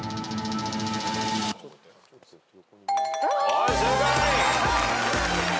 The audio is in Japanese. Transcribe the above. はい正解。